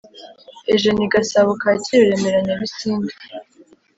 Eugenie gasabo kacyiru remera nyabisindu